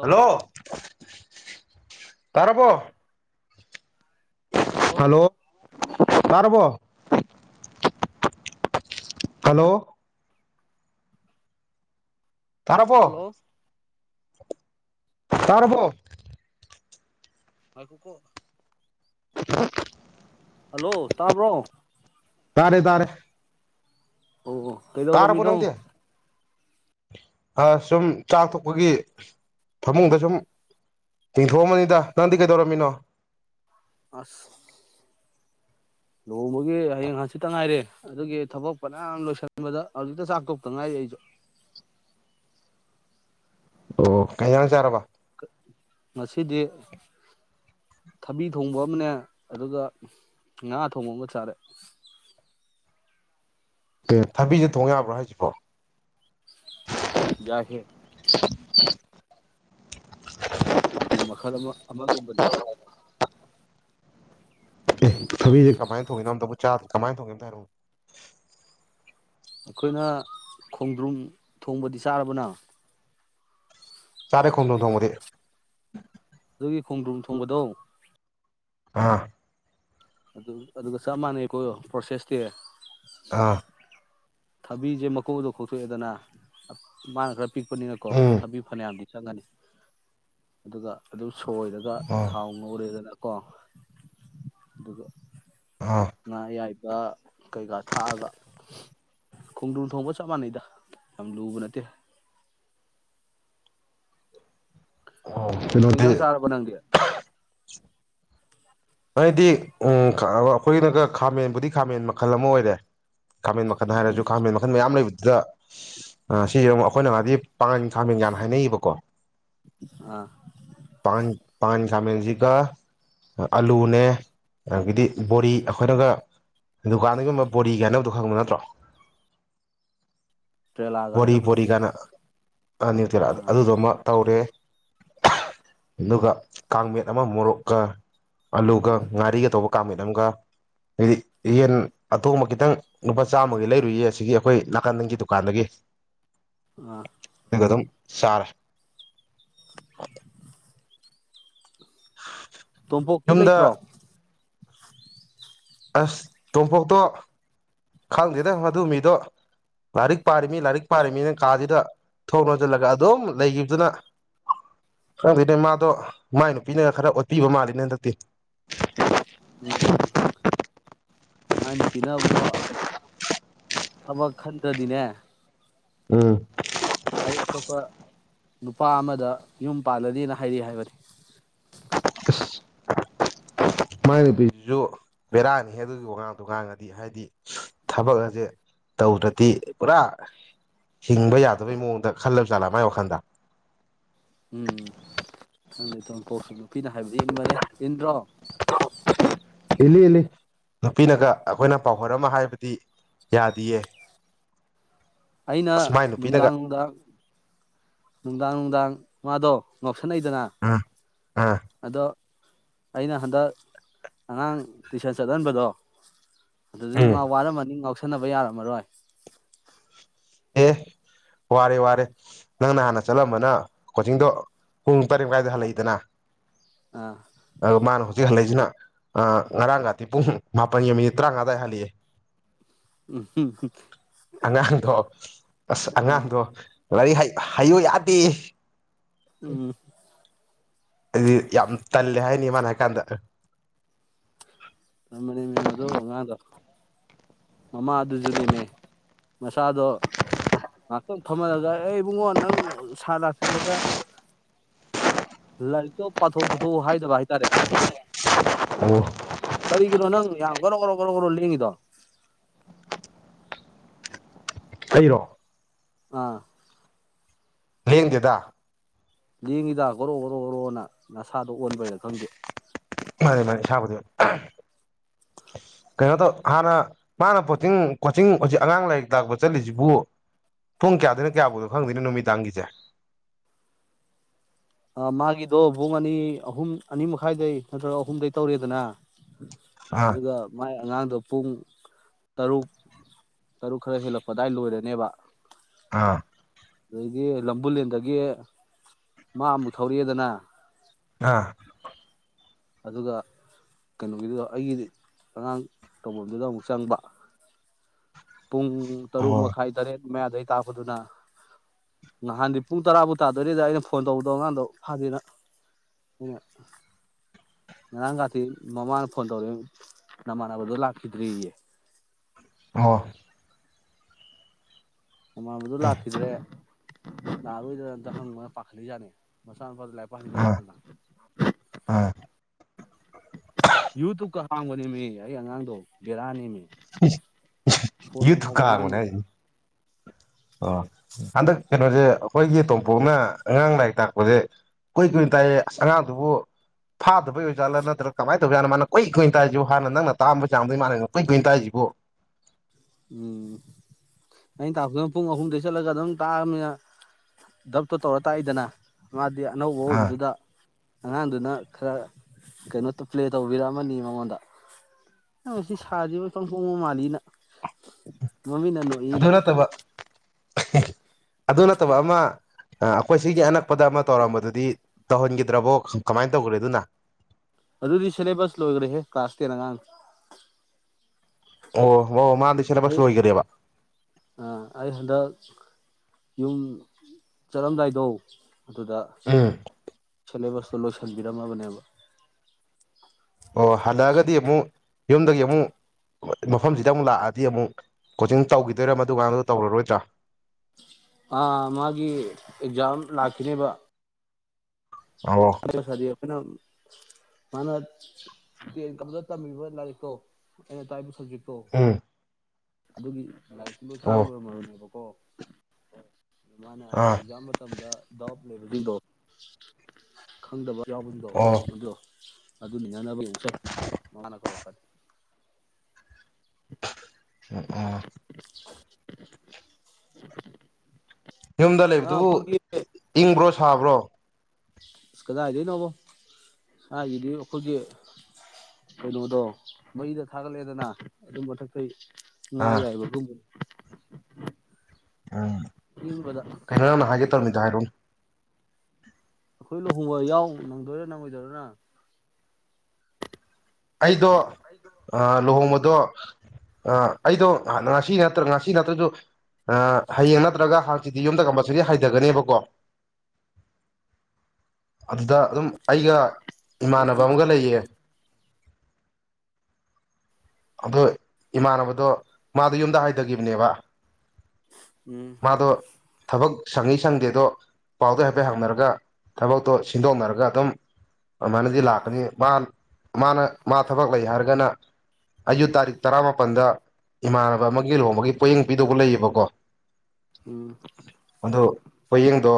hello ꯇꯔꯔꯕꯣ hello ꯇꯥꯔꯕꯔꯕꯣ hello ꯇꯔꯥꯕꯣ ꯍꯜꯂꯣ ꯇꯔꯥꯕꯣ ꯉꯥꯏꯈꯣꯀꯣ [unintelligible] ꯍꯜꯂꯣ ꯇꯥꯕ꯭ꯔꯣ ꯇꯥꯔꯦ ꯇꯥꯔꯦ ꯍꯣ ꯍꯣ ꯀꯩꯗꯧꯔꯝꯃꯤꯅꯣ ꯑꯁ ꯁꯨꯝ ꯆꯥꯛ ꯊꯣꯛꯄꯒꯤ ꯐꯃꯨꯡꯗ ꯁꯨꯝ ꯇꯤꯡꯊꯣꯛꯑꯝꯕꯅꯤꯗ ꯅꯪꯗꯤ ꯀꯩꯗꯧꯔꯝꯃꯤꯅꯣ ꯑꯁ ꯂꯨꯍꯣꯡꯕꯒꯤ ꯍꯌꯦꯡ ꯍꯪꯆꯤꯠꯇ ꯉꯥꯏꯔꯦ ꯑꯗꯨꯒꯤ ꯊꯕꯛ ꯐꯅꯌꯥꯝ ꯂꯣꯏꯁꯤꯟꯕꯗ ꯍꯧꯖꯤꯛꯇ ꯆꯥꯛ ꯊꯣꯛꯇ ꯉꯥꯏꯔꯤ ꯑꯩꯁꯨ ꯑꯣ ꯀꯩ ꯏꯟꯁꯥꯡ ꯆꯥꯔꯕ ꯉꯁꯤꯗꯤ ꯊꯕꯤ ꯊꯣꯡꯕ ꯑꯃꯅꯦ ꯑꯗꯨꯒ ꯉꯥ ꯊꯣꯡꯕ ꯑꯃ ꯆꯥꯔꯦ ꯀꯩ ꯊꯕꯤꯁꯦ ꯊꯣꯡ ꯌꯥꯕ꯭ꯔꯣ ꯍꯥꯏꯁꯤꯕꯣ ꯌꯥꯏ ꯍꯦ [unintelligible] ꯄꯨꯡ ꯃꯈꯜ ꯑꯃ ꯑꯃꯒꯨꯝꯕꯅꯦ ꯑꯦ ꯊꯕꯤꯁꯦ ꯀꯃꯥꯏꯅ ꯊꯣꯡꯏꯅꯣ ꯑꯝꯇꯕꯨ ꯆꯥ ꯀꯃꯥꯏꯅ ꯊꯣꯡꯏ ꯑꯝꯇ ꯍꯥꯏꯔꯛꯑꯣ ꯑꯩꯈꯣꯏꯅ ꯈꯣꯡꯗ꯭ꯔꯨꯨꯝ ꯊꯣꯡꯕꯗꯤ ꯆꯥꯔꯕꯣ ꯅꯪ ꯆꯔꯦ ꯈꯣꯡꯗꯔ꯭ꯨꯝ ꯊꯣꯡꯕꯗꯤ ꯑꯗꯨꯒꯤ ꯈꯣꯡꯗ꯭ꯔꯨꯝ ꯊꯣꯡꯕꯗꯣ ꯑꯥ ꯑꯗꯨ ꯑꯗꯨꯒ ꯆꯞ ꯃꯥꯟꯅꯩꯀꯣ ꯄ꯭ꯔꯣꯁꯦꯁꯇꯤ ꯑꯥ ꯊꯕꯤꯁꯦ ꯃꯀꯨꯗꯣ ꯀꯣꯛꯊꯣꯛꯑꯦꯗꯅ ꯃꯥꯅ ꯈꯔ ꯑꯄꯤꯛꯄꯅꯤꯅꯀꯣ ꯎꯝ ꯊꯥꯕꯤ ꯐꯅꯌꯥꯝꯗꯤ ꯆꯪꯒꯅꯤ ꯑꯗꯨꯒ ꯑꯗꯨꯝ ꯁꯣꯏꯔꯒ ꯑꯥ ꯊꯥꯎ ꯉꯧꯔꯦꯗꯅ ꯀꯣ ꯑꯗꯨꯒ ꯑꯥ ꯉꯥ ꯑꯌꯥꯏꯕ ꯀꯩꯀꯥ ꯊꯥꯛꯑꯒ ꯈꯣꯡꯗ꯭ꯔꯨꯝ ꯊꯣꯡꯕ ꯆꯞ ꯃꯥꯟꯅꯩꯗ ꯌꯥꯝ ꯂꯨꯕ ꯅꯠꯇꯦ ꯀꯩꯩ ꯀꯩꯅꯣꯗꯤ ꯏꯟꯖꯡ ꯆꯔꯕ ꯅꯪꯗꯤ ꯑꯩꯗꯤ ꯎꯝ ꯑꯩꯈꯣꯏꯒꯤꯗꯤ ꯈꯥꯃꯦꯟꯕꯨꯗꯤ ꯈꯥꯃꯦꯟ ꯃꯈꯜ ꯑꯃ ꯑꯣꯏꯔꯦ ꯈꯥꯃꯦꯟ ꯃꯈꯟ ꯍꯥꯏꯔꯁꯨ ꯎꯝ ꯈꯥꯃꯦꯟ ꯃꯈꯟ ꯃꯌꯥꯝ ꯂꯩꯕꯅꯤ ꯁꯤꯗ ꯁꯤꯁꯦ ꯑꯃꯨꯛ ꯑꯩꯈꯣꯏꯅ ꯍꯥꯏꯗꯤ ꯄꯥꯉꯟ ꯈꯥꯃꯦꯟꯒꯅ ꯍꯥꯏꯅꯩꯌꯦꯕꯀꯣ ꯑꯥ ꯄꯥꯉꯟ ꯄꯥꯉꯟ ꯈꯥꯃꯦꯟꯁꯤꯒ ꯑꯥꯂꯨꯅꯦ ꯑꯗꯒꯤꯗꯤ ꯕꯣꯔꯤ ꯑꯩꯈꯣꯏꯅꯒ ꯗꯨꯀꯥꯟꯗꯒꯤꯨꯝꯕ ꯕꯣꯔꯤ ꯀꯥꯏꯅꯕꯗꯣ ꯈꯪꯕ ꯅꯠꯇ꯭ꯔꯣ ꯇ꯭ꯔꯦꯂꯥꯒ ꯕꯣꯔꯤ ꯍꯥꯏꯅꯕꯗꯣ ꯕꯣꯔꯤ ꯀꯥꯏꯅ ꯑꯥ꯭ꯌꯨꯇꯔꯥ ꯑꯗꯨꯗꯨꯃ ꯇꯧꯔꯦ ꯑꯗꯨꯒ ꯀꯥꯡꯃꯦꯠ ꯑꯃ ꯃꯣꯔꯣꯛꯀ ꯑꯂꯨꯒ ꯉꯥꯔꯤꯒ ꯇꯧꯕ ꯀꯥꯡꯥꯃꯠ ꯑꯃꯒ ꯑꯗꯤ ꯌꯦꯟ ꯑꯊꯣꯡꯕ ꯈꯤꯇꯪ ꯂꯨꯄꯥ ꯆꯥꯝꯃꯒꯤ ꯂꯩꯔꯨꯏꯌꯦ ꯑꯁꯤꯒꯤ ꯑꯩꯈꯣꯏ ꯅꯥꯀꯥꯟꯗꯒꯤ ꯗꯨꯀꯥꯟꯗꯒꯤ ꯋꯥ ꯑꯗꯨ ꯁꯥꯔ ꯇꯣꯄꯣꯛꯇꯤ ꯂꯩꯇ꯭ꯔꯣ ꯌꯨꯝꯗ ꯑꯁ ꯇꯣꯝꯄꯣꯛꯇꯣ ꯈꯪꯗꯦꯗ ꯃꯗꯨ ꯃꯤꯗꯣ ꯂꯥꯏꯔꯤꯛ ꯄꯥꯔꯤꯃꯤ ꯂꯥꯏꯔꯤꯛ ꯄꯥꯔꯤꯅꯤꯅ ꯀꯥꯁꯤꯗ ꯊꯣꯛꯣꯡ ꯂꯣꯟꯁꯤꯜꯂꯒ ꯑꯗꯨꯝ ꯂꯩꯈꯤꯕꯗꯨꯅ ꯈꯪꯗꯦꯅꯦ ꯃꯥꯗꯣ ꯃꯥꯏ ꯅꯨꯄꯤꯅꯒ ꯈꯔ ꯑꯣꯠꯄꯤꯕ ꯃꯥꯜꯂꯤꯅꯦ ꯍꯟꯗꯛꯇꯤ ꯎꯝ ꯃꯥꯏ ꯅꯨꯄꯤꯕꯨꯣ ꯊꯕ ꯈꯟꯗꯗꯤꯅꯦ ꯎꯝ ꯑꯩ ꯑꯇꯣꯞꯄ ꯅꯨꯄꯥ ꯑꯃꯗ ꯌꯨꯝ ꯄꯥꯜꯂꯅꯤꯅ ꯍꯥꯏꯔꯤ ꯍꯥꯏꯕꯅꯤ ꯑꯁ ꯃꯥꯏ ꯅꯨꯄꯤꯁꯤꯁꯨ ꯕꯦꯔꯥꯅꯤ ꯍꯦꯛ ꯑꯗꯨꯒꯤ ꯋꯥꯉꯥꯡꯗꯣ ꯉꯥꯡꯉꯗꯤ ꯍꯥꯏꯗꯤ ꯊꯕꯛ ꯑꯁꯦ ꯇꯧꯗ꯭ꯔꯗꯤ ꯄꯨꯔꯥ ꯍꯤꯡꯕ ꯌꯥꯗꯕꯩ ꯃꯑꯣꯡꯗ ꯈꯜꯂꯕ ꯖꯥꯠꯂ ꯃꯥꯏ ꯋꯥꯈꯜꯗ ꯎꯝ ꯈꯪꯗꯦ ꯄꯣꯛꯁꯨ ꯅꯨꯄꯤꯅ ꯍꯥꯏꯕꯗꯤ ꯏꯟꯕꯅꯦ ꯏꯟꯗ꯭ꯔꯣ ꯏꯜꯂꯤ ꯏꯜꯂꯤ ꯄꯤꯅꯒ ꯑꯩꯈꯣꯏꯅ ꯄꯥꯎꯍꯔ ꯑꯃ ꯍꯥꯏꯕ ꯇꯤ ꯌꯥꯗꯤꯌꯦ ꯑꯩꯅ ꯑꯁ ꯃꯥꯏ ꯅꯨꯄꯤꯅꯒ ꯅꯨꯡꯗꯥꯡꯗ ꯅꯨꯡꯗꯥꯡ ꯅꯨꯡꯗꯡ ꯃꯥꯗꯣ ꯁꯅꯩꯗꯅ ꯑꯥ ꯑꯥ ꯑꯗꯣ ꯑꯩꯅ ꯍꯟꯗꯛ ꯑꯉꯥꯡ ꯇꯨꯁꯟ ꯆꯠꯍꯟꯕꯗꯣ ꯑꯗꯨꯗꯤ ꯎꯝ ꯃꯥ ꯋꯥꯔꯝꯝꯕꯅꯤ ꯉꯥꯎꯁ ꯈꯅꯕ ꯌꯥꯔꯝꯃꯔꯣꯏ ꯑꯦ ꯋꯥꯔꯦ ꯋꯥꯔꯦ ꯅꯪꯅ ꯍꯥꯟꯅ ꯆꯠꯂꯝꯝꯕꯅ ꯀꯣꯆꯤꯡꯗꯣ ꯄꯨꯡ ꯇꯔꯦꯠꯥꯏꯗ ꯍꯜꯂꯛꯏꯗꯅ ꯑꯥ ꯑꯣ ꯃꯥꯅ ꯍꯧꯖꯤꯛ ꯍꯜꯂꯛꯏꯁꯤꯅ ꯑ ꯉꯔꯥꯡꯒ ꯊꯤ ꯄꯨꯡ ꯃꯍꯥꯛꯄ ꯌꯦꯃꯤ ꯇꯔꯥꯡꯒꯗ ꯍꯜꯂꯤ ꯎꯝ ꯎ ꯑꯉꯥꯡꯗꯣ ꯑꯁ ꯑꯉꯥꯡꯗꯣ ꯂꯔꯤꯛ ꯍꯥꯏꯌꯨ ꯌꯥꯗꯦ ꯎꯝ ꯑꯗꯨ ꯌꯥꯝ ꯇꯜꯂꯦ ꯍꯥꯏꯅꯤ ꯃꯅ ꯀꯥꯟꯗ ꯃꯃꯥ ꯑꯗꯨꯁꯨ ꯅꯦꯝꯃꯦ ꯃꯆꯥꯗꯣ ꯉꯥꯏꯍꯥꯛꯇꯪ ꯐꯝꯍꯜꯂꯒ ꯑꯩ ꯏꯕꯨꯡꯉꯣ ꯅꯪ ꯁꯥ ꯂꯥꯛꯇ꯭ꯔꯤꯉꯩꯗ ꯂꯥꯏꯔꯤꯛꯇꯣ ꯄꯥꯊꯣꯛ ꯄꯨꯣꯊꯣꯛꯎ ꯍꯥꯏꯗꯕ ꯍꯥꯏꯇꯥꯔꯦ ꯑꯣ ꯀꯔꯤꯒꯤꯅꯣ ꯅꯪ ꯌꯥꯝ ꯔꯣ ꯭ꯔꯣ ꯔꯣ ꯭ꯔꯣ ꯂꯦꯡꯉꯤꯗꯣ ꯑꯩꯔꫭ ꯑꯥ ꯊꯦꯡꯗꯦꯗ ꯂꯦꯡꯉꯤꯗ ꯒꫭꯔꫭ ꯒꫭꯔꫭ ꯒꫭꯔꫭꯅ ꯅꯠ ꯁꯥꯗꯣ ꯑꯣꯟꯕꯩꯔ ꯈꯪꯗꯦ ꯑ ꯀꯩꯅꯣ ꯇꯧ ꯍꯥꯟꯅ ꯃꯥꯅ ꯀꯣꯆꯤꯡ ꯀꯣꯆꯤꯡ ꯍꯧꯖꯤꯛ ꯑꯉꯥꯡ ꯂꯥꯏꯔꯤꯛ ꯇꯥꯛꯄ ꯆꯠꯂꯤꯁꯤꯕꯨ ꯄꯨꯡ ꯀꯌꯥꯗꯣꯏꯅꯣ ꯀꯌꯥꯕꯨꯅꯣ ꯈꯪꯗꯣꯏꯅꯣ ꯅꯨꯃꯤꯗꯥꯡꯒꯤꯁꯦ ꯑ ꯃꯥꯒꯤꯗꯣ ꯄꯨꯡ ꯑꯅꯤ ꯑꯍꯨꯝ ꯑꯅꯤ ꯃꯈꯥꯏꯗꯩ ꯅꯠꯇ꯭ꯔꯒ ꯑꯍꯨꯝꯗꯩ ꯇꯧꯔꯦꯗꯅ ꯑꯥ ꯑꯗꯨꯒ ꯃꯥꯏ ꯑꯉꯥꯡꯗꯣ ꯄꯨꯡ ꯇꯔꯨꯛ ꯇꯔꯨꯛ ꯈꯔ ꯍꯦꯜꯂꯛꯄ ꯑꯗꯥꯏ ꯂꯣꯏꯔꯅꯦꯕ ꯑꯥ ꯑꯗꯨꯗꯒꯤ ꯂꯝꯕꯨꯜꯂꯦꯟꯗꯒ ꯃꯥ ꯑꯃꯨꯛ ꯊꯧꯔꯛꯑꯦꯗꯅ ꯑꯥ ꯑꯗꯨꯒ ꯀꯩꯅꯣꯒꯤꯗꯨꯒ ꯑꯩꯒꯤ ꯑꯉꯥꯡ ꯇꯧꯐꯝꯗꯨꯗ ꯑꯃꯨꯛ ꯆꯪꯕ ꯄꯨꯡ ꯇꯔꯨꯛ ꯑꯣ ꯃꯈꯥꯏ ꯇꯔꯦꯠ ꯃꯌꯥꯗꯗꯒꯤ ꯇꯥꯛꯄꯗꯨꯅ ꯅꯍꯥꯟꯗꯤ ꯄꯨꯡ ꯇꯔꯥꯕꯨꯥꯎ ꯇꯥꯗꯣꯔꯤꯗ ꯑꯩꯅ ꯐꯣꯟ ꯇꯧꯕꯗꯣ ꯑꯉꯥꯡꯗꯣ ꯐꯥꯗꯦꯅ ꯑꯩꯅ ꯉꯔꯥꯡꯒꯥꯗꯤ ꯃꯃꯥꯅ ꯐꯣꯟ ꯇꯧꯔꯛꯑꯦ ꯅꯃꯥꯟꯅꯕꯗꫭ ꯂꯥꯛꯈꯤꯗ꯭ꯔꯦꯌꯦ ꯑꫭ ꯅꯃꯥꯟꯅꯕꯗꫭ ꯂꯥꯛꯈꯤꯗ꯭ꯔꯦ ꯂꯥꯛꯑꯔꫭꯏꯗ꯭ꯔꯅ ꯑꯝꯇ ꯍꯪꯉꫭꯅ ꯄꯥꯈꯠꯂꯤꯖꯥꯅꯤ ꯃꯆꯥ ꯅꯨꯄꯥꯗꫭ ꯂꯥꯏꯔꯤꯛ ꯑꯥ ꯐꯍꯟꯒꯦ ꯑꯥ [unintelligible] ꯌꯨꯇꯨꯞꯀ ꯍꯥꯡꯕꯅꯤꯃꯤ ꯑꯩ ꯑꯉꯥꯡꯗꯣ ꯒꯦꯔꯥꯅꯤꯃꯤ ꯌꯨꯊꯨꯞ ꯀꯥ ꯍꯛꯕꯅꯦ ꯑꯉꯥꯡꯅꯦꯃꯤ ꯍꯥꯏꯖꯤꯅꯤ ꯑꯣ ꯍꯟꯗꯛ ꯀꯩꯅꯣꯁꯦ ꯑꯩꯈꯣꯏꯒꯤ ꯇꯣꯝꯄꯣꯛꯅ ꯑꯉꯥꯡ ꯂꯥꯏꯔꯤꯛ ꯇꯥꯛꯄꯁꯦ ꯀꯨꯏ ꯀꯨꯏꯅ ꯇꯥꯏ ꯑꯁ ꯑꯉꯥꯡꯗꯨꯕꯨ ꯐꯥꯗꯕꯩ ꯑꯣꯖꯥꯠꯂꯥ ꯅꯠꯇ꯭ꯔꯒ ꯀꯃꯥꯏꯅ ꯇꯧꯖꯥꯠꯅꫭ ꯃꯥꯅ ꯀꯨꯏ ꯀꯨꯏꯅ ꯇꯥꯛꯏꯁꯤꯕꯨ ꯍꯥꯟꯅ ꯅꯪꯅ ꯇꯥꯑꯝꯕ ꯆꯥꯡꯗꯩ ꯃꯥꯥꯟꯅ ꯀꯨꯏ ꯀꯨꯏꯅ ꯇꯥꯏꯔꯤꯁꯤꯕꯨ ꯎꯝ ꯑꯩꯅ ꯇꯥꯛꯄꯅ ꯄꯨꯡ ꯑꯍꯨꯝꯗꯒꯤ ꯆꯠꯂꯒ ꯑꯗꯨꯝ ꯇꯥꯑꯥꯃꯤꯅ ꯗꯞꯇꯣ ꯇꯧꯔ ꯇꯥꯛꯏꯗꯅ ꯑꯗꯤ ꯑꯅꯧꯕ ꯑꯥ ꯑꯣꯏꯕꯗꯨꯗ ꯑꯉꯥꯡꯗꯨꯅ ꯈꯔ ꯀꯩꯅꯣ ꯄ꯭ꯂꯦ ꯇꯧꯕꯤꯔꯛ ꯑꯃꯅꯤ ꯍꯟꯗꯛ ꯃꯤꯛꯀꯤ ꯁꯥꯁꯤꯕꯨ ꯏꯄꯪ ꯄꯪꯕ ꯃꯥꯜꯂꯤꯅ [inaudible] ꯃꯃꯤꯠꯅ ꯅꫭꯛꯏꯅ ꯑꯗꯨ ꯅꯠꯇꯕ ꯑꯗꯨ ꯅꯠꯇꯕ ꯑꯃ ꯑꯩꯈꯣꯏ ꯁꯤꯒꯤ ꯑꯅꯛꯄꯗ ꯑꯃ ꯇꯧꯔꯝꯕꯗꯨꯗꯤ ꯇꯧꯍꯟꯈꯤꯗ꯭ꯔꯕꯣ ꯀꯃꯥꯏꯅ ꯇꯧꯈ꯭ꯔꯦ ꯑꯗꯨꯅ ꯇꯦꯂꯪꯒꯥꯟ ꯑꯣ ꯋꯥ ꯃꯥꯗꯤ ꯁꯦꯂꯦꯕꯁ ꯂꯣꯏꯈꯒ꯭ꯔꯦꯕ ꯑꯩ ꯍꯟꯗꯛ ꯌꯨꯝ ꯆꯠꯂꯝꯗꯥꯏꯗꯣ ꯑꯗꯨꯗ ꯎꯝ ꯁꯦꯂꯦꯕꯁꯇꯣ ꯂꯣꯏꯁꯤꯟꯕꯤꯔꯝꯃꯕꯅꯦꯕ ꯑꯣ ꯍꯜꯂꯛ ꯑꯒꯗꯤ ꯑꯃꯨꯛ ꯌꯨꯝꯗꯒꯤ ꯑꯃꯨꯛ ꯃꯐꯝꯁꯤꯗ ꯑꯃꯨꯛ ꯂꯥꯛꯑꯗꯤ ꯑꯃꯨꯛ ꯀꯣꯆꯤꯡ ꯇꯧꯈꯤꯗꯣꯏꯔꯥ ꯃꯗꯨ ꯑꯉꯥꯡꯗꯣ ꯇꯧꯔꯔꯣꯏꯗ꯭ꯔꯥ ꯑꯥ ꯃꯥꯒꯤ ꯑꯦꯛꯖꯥꯝ ꯂꯥꯛꯈꯤꯅꯦꯕ ꯑꯣ ꯑ ꯁꯥꯗꯤ ꯀꯅ ꯃꯥꯅ ꯇꯦꯟ ꯀ ꯇꯝꯃꯤꯕ ꯂꯥꯏꯔꯤꯛꯇꯣ ꯑꯩꯅ ꯇ ꯁꯖꯤꯄ ꯎꯝ ꯑꯗꯨꯒꯤ ꯂꯥꯏ ꯆꯥ ꯑꯣ ꯂ ꯃꯔꯣ ꯀꯣ ꯑ ꯃꯥꯅ ꯑꯩ ꯑꯥ ꯌꯥꯝꯌꯥꯝꯕ ꯃꯇꯝꯗ ꯂꯩꯗꯤꯣ ꯈꯪꯗꯕ ꯌꯥ ꯖꯣ ꯑꯣ ꯖꯣ ꯑꯒꯅꯤ ꯅꯪꯅꯅꯕꯕꯨꯡꯔ ꯃꯃꯅ ꯈꯔꯛꯈꯔꯦ ꯎ ꯎ [unintelligible] ꯌꯨꯝꯗ ꯑ ꯂꯩꯕꯗꯨꯕꯨ ꯑꯩꯈꯣꯏꯒꯤ ꯏꯪꯕ꯭ꯔꯣ ꯐꯥꯕ꯭ꯔꯣ ꯑ ꯀꯗꯥꯏꯗꯣꯏꯅꯣꯕꯣ ꯏꯁꯒꯤꯗꯤ ꯑꯩꯈꯣꯏꯒꯤ ꯀꯩꯅꯣꯗꯣ ꯃꯩꯗ ꯊꯥꯒꯠꯂꯛꯑꯦꯗꯅ ꯑꯗꯨꯝ ꯃꯊꯛꯇꯩ ꯑꯥ ꯉꯥꯌꯥꯏꯕ ꯎꯝ ꯏꯪꯕꯗ ꯀꯩꯅꯣ ꯅ ꯍꯥꯏꯒꯦ ꯇꯧꯕꯅꯤꯗꯣ ꯍꯥꯏꯔꯣ ꯑꯩꯈꯣꯏ ꯂꯨꯍꯣꯡꯕ ꯌꯥꯎ ꯅꯪꯗꯣꯏꯔ ꯅꯪꯉꯣꯏꯗꯣꯏꯔꯅ ꯑꯩꯗꯣ ꯂꯨꯍꯣꯡꯕ ꯑꯗꯣ ꯑꯩꯗꯣ ꯉꯁꯤ ꯅꯠꯇ꯭ꯔ ꯉꯁꯤ ꯅꯠꯇ꯭ꯔꯁꯨ ꯍꯌꯦꯡ ꯅꯠꯇ꯭ꯔꯒ ꯍꯥꯟꯆꯤꯗꯤ ꯌꯨꯝꯗ ꯀꯝꯄꯜꯁꯔꯤ ꯍꯩꯊꯒꯅꯦꯕꯀꯣ ꯑꯗꯨꯗ ꯑꯗꯨꯝ ꯑꯩꯒ ꯅꯪ ꯏꯃꯥꯟꯅꯕ ꯑꯃꯒ ꯂꯩꯌꯦ ꯑ ꯏꯃꯥꯟꯅꯕꯗꯣ ꯃꯥꯗ ꯌꯨꯝꯗ ꯍꯥꯏꯊꯈꯤꯕꯅꯦꯕ ꯌꯦ ꯃꯥꯗꯣ ꯊꯕꯛ ꯁꯪꯉꯤ ꯁꯪꯗꯦꯗꯣ ꯄꯥꯎꯗ ꯍꯥꯏꯐꯦꯠ ꯍꯪꯅꯔꯒ ꯊꯕꯛꯇꯣ ꯁꯤꯟꯗꯣꯛꯅꯔꯒ ꯑꯗꯨꯝ ꯑꯗꯨꯃꯥꯏꯅꯗꯤ ꯂꯥꯛꯀꯅꯤ ꯃꯥ ꯃꯥꯅ ꯃꯥ ꯊꯕꯛ ꯂꯩ ꯍꯥꯏꯔꯒꯅ ꯑꯩꯌꯨ ꯇꯥꯔꯤꯛ ꯇꯔꯥ ꯃꯥꯄꯜꯗ ꯏꯃꯥꯟꯅꯕ ꯑꯃꯒꯤ ꯂꯨꯍꯣꯡꯕꯒꯤ ꯄꯣꯌꯦꯡ ꯄꯤꯗꯧꯕ ꯂꯩꯌꯦꯕꯀꯣ ꯎꯝ ꯑꯗꯨ ꯄꯣꯌꯦꯡꯗꯣ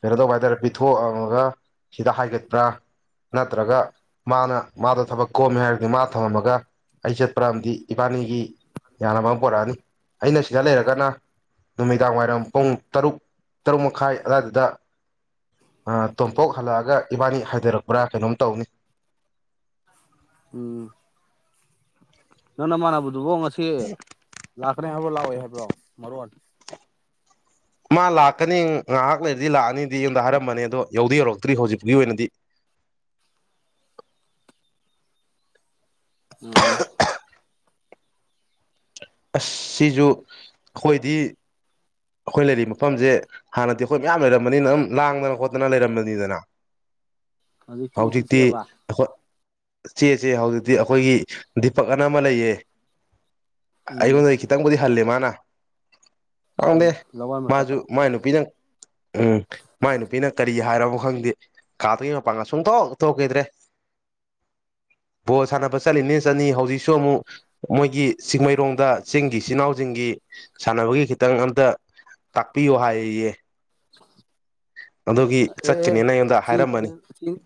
ꯀꯩꯅꯣ ꯇꯧꯕ ꯍꯥꯏꯇꯥꯔꯦ ꯄꯤꯊꯣꯛꯑꯃꯒ ꯁꯤꯗ ꯍꯥꯏꯒꯠꯄ꯭ꯔꯥ ꯅꯠꯇ꯭ꯔꯒ ꯃꯥꯅ ꯃꯥꯗꯣ ꯊꯕꯛ ꯀꯣꯝꯃꯦ ꯍꯥꯏꯔꯒꯗꯤ ꯃꯥ ꯊꯝꯃꯝꯃꯒ ꯑꯩ ꯆꯠꯄꯝꯗꯤ ꯏꯕꯥꯅꯤꯒꯤ ꯌꯥꯅꯕ ꯄꯣꯔꯛꯑꯅꯤ ꯑꯩꯅ ꯁꯤꯗ ꯂꯩꯔꯒꯅ ꯅꯨꯃꯤꯗꯥꯡ ꯋꯥꯏꯔꯝ ꯄꯨꯡ ꯇꯔꯨꯛ ꯇꯔꯨꯛ ꯃꯈꯥꯏ ꯑꯗꯨꯋꯥꯏꯗꯨꯗ ꯇꯣꯝꯄꯣꯛ ꯍꯜꯂꯛꯑꯒ ꯏꯕꯥꯅꯤ ꯍꯥꯏꯊꯔꯛꯄ꯭ꯔꯥ ꯀꯩꯅꯣꯝ ꯇꯧꯅꯤ ꯎꯝ ꯅꯅ ꯃꯥꯅ ꯑꯗꯨꯗꯨꯐ ꯉꯁꯤ ꯂꯥꯛꯀ꯭ꯔꯦ ꯍꯥꯏꯕ꯭ꯔꯣ ꯂꯥꯛꯑꯣꯏ ꯍꯥꯏꯕ꯭ꯔꯣ ꯃꯔꯣꯟ ꯃꯥ ꯂꯥꯛꯀꯅꯤ ꯉꯥꯏꯍꯥꯛ ꯂꯩꯔꯗꯤ ꯂꯥꯛꯑꯅꯤꯗꯤ ꯑꯩꯉꯣꯟꯗ ꯍꯥꯏꯔꯝꯕꯅꯦ ꯑꯗꯣ ꯌꯧꯗꯤ ꯌꯧꯔꯛꯇ꯭ꯔꯤ ꯍꯧꯖꯤꯛꯄꯥꯎꯒꯤ ꯑꯣꯏꯅꯗꯤ ꯑꯣ ꯑꯁ ꯁꯤꯁꯨ ꯑꯩꯈꯣꯏꯗꯤ ꯑꯩꯈꯣꯏ ꯂꯩꯔꯤꯕ ꯃꯐꯝꯁꯦ ꯍꯥꯟꯅꯗꯤ ꯑꯩꯈꯣꯏ ꯃꯌꯥꯝ ꯂꯩꯔꯝꯕꯅꯤꯅ ꯑꯗꯨꯝ ꯂꯥꯡꯗꯅ ꯈꯣꯠꯇꯅ ꯂꯩꯔꯝꯕꯅꯤꯗꯅ ꯏꯆꯤꯛ ꯍꯧꯖꯤꯛꯇꯤ ꯆꯤꯛꯑꯕ ꯑꯈꯣꯏ ꯆꯤꯛꯑꯦ ꯆꯤꯛꯑꯦ ꯍꯧꯖꯤꯛꯇꯤ ꯑꯈꯣꯏꯒꯤ ꯗꯤꯄꯛ ꯑꯅ ꯑꯃ ꯂꯩꯌꯦ ꯎꯝ ꯑꯩꯉꯣꯟꯗꯒꯤ ꯈꯤꯇꯪꯕꯨꯗꯤ ꯍꯜꯂꯤꯃꯥ [unintelligible] ꯈꯪꯗꯦ ꯎꯝ ꯂꯋꯥꯏ ꯃꯆꯥꯗꯣ ꯃꯥꯁꯨ ꯃꯥꯏ ꯅꯨꯄꯤꯅ ꯎꯝ ꯃꯥꯏ ꯅꯨꯄꯤꯅ ꯀꯔꯤ ꯀꯔꯤ ꯍꯥꯏꯔꯕꯣ ꯈꯪꯗꯦ ꯀꯥꯗꯩ ꯃꯄꯥꯟꯒ ꯁꯨꯡꯊꯣꯛ ꯊꯣꯛꯈꯤꯗ꯭ꯔꯦ ꯕꯣꯜ ꯁꯥꯟꯅꯕ ꯆꯠꯂꯤꯅꯤꯅ ꯆꯠꯅꯤ ꯍꯧꯖꯤꯛꯁꯨ ꯑꯃꯨꯛ ꯃꯣꯏꯒꯤ ꯆꯤꯡꯃꯩꯔꯣꯡ ꯗ ꯆꯤꯡꯒꯤ ꯏꯆꯤꯜ ꯏꯅꯥꯎꯁꯤꯡꯒꯤ ꯁꯥꯟꯅꯕꯒꯤ ꯈꯤꯇꯪ ꯑꯝꯇ ꯇꯥꯛꯄꯤꯌꯨ ꯍꯥꯏꯌꯦ ꯌꯦ ꯑꯦ ꯑꯦ ꯆꯠꯀꯅꯤꯅ ꯑꯩꯉꯣꯟꯗ ꯆꯤꯡꯁꯤꯅꯦ ꯍꯥꯏꯔꯝꯕꯅꯤ ꯆꯤꯡ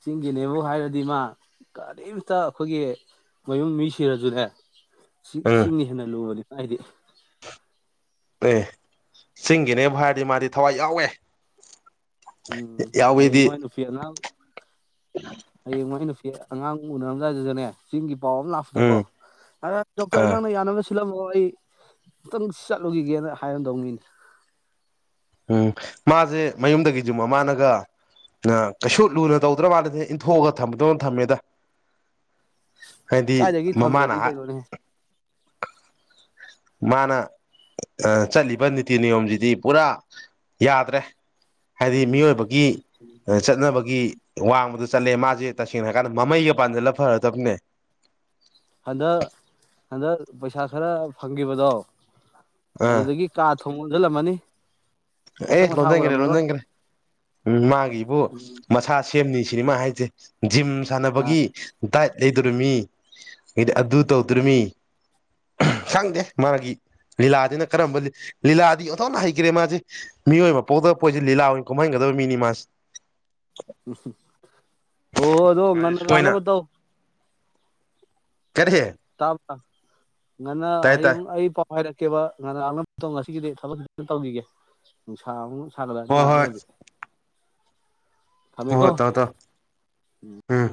ꯆꯤꯡꯒꯤꯅꯦꯕꯨ ꯍꯥꯏꯔꯗꯤ ꯃꯥ ꯀꯔꯤꯝꯇ ꯑꯈꯣꯏꯒꯤ ꯃꯌꯨꯝ ꯃꯤ ꯁꯤꯔꯖꯨꯅꯦ ꯎꯝ ꯆꯤꯡꯅ ꯍꯦꯟꯅ ꯂꯨꯕꯅꯤ ꯍꯥꯏꯗꯤ ꯑꯦ ꯆꯤꯡꯒꯤꯅꯦꯕꯨ ꯍꯥꯏꯔꯗꯤ ꯃꯥꯗꯤ ꯊꯋꯥꯏ ꯌꯥꯎꯋꯦ ꯎꯝ ꯍꯌꯦꯡ ꯌꯥꯎꯋꯦꯗꯤ ꯃꯥꯏ ꯅꯨꯄꯤ ꯑꯉꯥꯡ ꯍꯌꯦꯡ ꯃꯥꯏ ꯅꯨꯄꯤ ꯑꯉꯥꯡ ꯎꯅꯔꯝꯗꯥꯥꯏꯗꯒꯅꯦ ꯆꯤꯡꯒꯤ ꯄꯥꯎ ꯑꯃ ꯂꯥꯛꯄꯗꯀꯣ ꯎꯝ ꯑ ꯗꯣꯛꯇꯔ ꯑꯥ ꯅꯪꯅ ꯌꯥꯅꯕ ꯁꯤꯜꯂꯝꯃꯣ ꯑꯩ ꯑꯃꯨꯇꯪ ꯆꯠꯂꯨꯈꯤꯒꯦꯅ ꯍꯥꯏꯔꯝꯗꯧ ꯃꯤꯅꯤ ꯎꯝ ꯃꯥꯁꯦ ꯃꯌꯨꯝꯗꯒꯤꯁꯨꯨꯝ ꯃꯃꯥꯅꯒ ꯀꯩꯁꯨ ꯂꯨꯅ ꯇꯧꯗ꯭ꯔ ꯃꯥꯜꯂꯦ ꯏꯟꯊꯣꯛꯑꯒ ꯊꯝꯗꯧꯅ ꯊꯝꯃꯦꯗ ꯍꯥꯏꯗꯤ ꯀꯥꯏꯗꯒꯤ ꯃꯃꯥꯅ ꯊꯝꯗ꯭ꯔꯗꯤ ꯀꯩꯅꯣꯅꯦ ꯃꯥꯅ ꯆꯠꯂꯤꯕ ꯅꯤꯇꯤ ꯅꯤꯌꯣꯝꯁꯤꯗꯤ ꯄꯨꯔꯥ ꯌꯥꯗ꯭ꯔꯦ ꯍꯥꯏꯗꯤ ꯃꯤꯑꯣꯏꯕ ꯒꯤ ꯆꯠꯅꯕꯒꯤ ꯋꯥꯡꯃꯗ ꯆꯠꯂꯦ ꯃꯥꯁꯦ ꯇꯁꯦꯡꯅ ꯍꯥꯏꯔꯀꯥꯟꯗ ꯃꯃꯩꯒ ꯄꯥꯟꯁꯤꯜꯂ ꯐꯔꯗꯕꯅꯦ ꯍꯟꯗꯛ ꯍꯟꯗꯛ ꯄꯩꯁꯥ ꯈꯔ ꯐꯪꯒꯤꯕꯗꯣ ꯑꯥ ꯑꯗꯨꯗꯒꯤ ꯀꯥ ꯊꯣꯡ ꯂꯣꯟꯖꯜꯂꯝꯃꯅꯤ ꯑꯦ ꯂꯣꯟꯖꯟꯈ꯭ꯔꯦ ꯂꯣꯟꯁꯤꯟꯈ꯭ꯔꯦ ꯎ ꯃꯥꯒꯤꯕꯨ ꯃꯁꯥ ꯁꯦꯝꯅꯤ ꯁꯤꯅꯦꯃꯥ ꯍꯥꯏꯁꯦ ꯖꯤꯝ ꯑꯥ ꯁꯥꯟꯅꯕꯒꯤ ꯗꯥꯏꯠ ꯂꯩꯗꯣꯔꯤꯃꯤ ꯍꯥꯏꯗꯤ ꯑꯗꯨ ꯇꯧꯗꯣꯔꯤꯃꯤ ꯈꯪꯗꯦ ꯃꯥꯒꯤ ꯂꯤꯂꯥꯗꯤꯅ ꯀꯔꯝꯕ ꯂꯤꯂꯥꯗꯤ ꯑꯣꯟꯊꯣꯛꯅ ꯍꯩꯈ꯭ꯔꯦ ꯃꯥꯁꯦ ꯃꯤꯑꯣꯏ ꯑꯃ ꯄꯣꯛꯗꯕ ꯄꯣꯠꯏꯁꯦ ꯂꯤꯂꯥ ꯑꯣꯏꯅ ꯀꯨꯝꯍꯟꯒꯗꯕ ꯃꯤꯅꯤ ꯃꯥꯁ ꯎꯑꯣ ꯑꯗꯣ ꯃꯥꯁꯦ ꯉꯟꯅ ꯁꯣꯏꯅ ꯂꯥꯛꯅꯕꯇꯧ ꯀꯔꯤ ꯑ ꯉꯟꯅ ꯇꯥꯏ ꯇꯥꯏ ꯍꯌꯦꯡ [unintelligible] ꯉꯥꯏꯔꯛꯀꯦꯕ ꯉꯔꯥꯡꯣ ꯉꯁꯤꯒꯤꯗꯤ ꯊꯕꯛ ꯇꯧꯈꯤꯒꯦ ꯅꯨꯡꯁꯥ ꯑꯃ ꯁꯥꯟꯅꯕꯅꯕꯗꯤ ꯉꯥꯏꯥꯛ ꯂꯩꯔꯗꯤ ꯍ ꯊꯝꯃꯦꯀꯣ ꯇ ꯇ ꯎꯝ